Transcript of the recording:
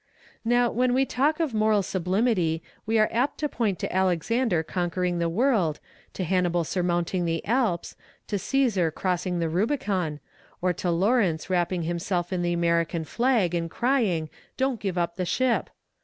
Now, when we talk of moral sublimity we are apt to point to Alexander conquering the world, to Hannibal surmounting the Alps, to Cæsar crossing the Rubicon, or to Lawrence wrapping himself in the American flag and crying "Don't give up the ship!"